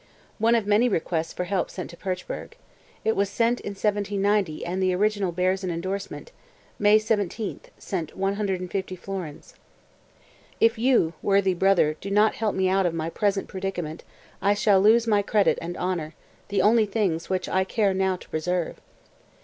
(One of many requests for help sent to Puchberg. It was sent in 1790 and the original bears an endorsement: "May 17, sent 150 florins.") 224. "If you, worthy brother, do not help me out of my present predicament I shall lose my credit and honor, the only things which I care now to preserve."